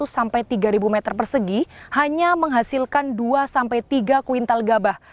dua ratus sampai tiga meter persegi hanya menghasilkan dua sampai tiga kuintal gabah